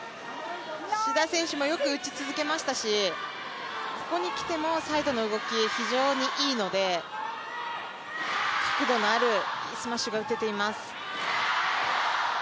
志田選手もよく打ち続けましたし、ここにきてもサイドの動き、非常にいいので角度のあるスマッシュが打てています。